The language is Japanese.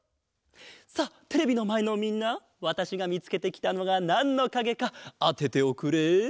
さあテレビのまえのみんなわたしがみつけてきたのがなんのかげかあてておくれ！